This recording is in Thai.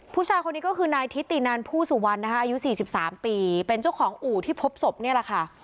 ผู้ชายคนนี้ก็คือนายทิตินันผู้สุวรรณนะคะอายุ๔๓ปีเป็นเจ้าของอู่ที่พบศพนี่แหละค่ะ